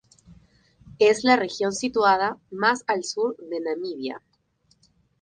Es la región situada más al sur de Namibia.